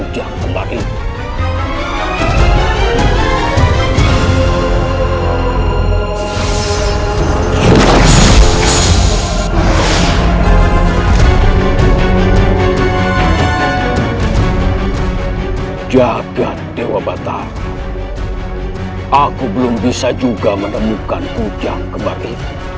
jaga dewa batak aku belum bisa juga menemukan hujan kembali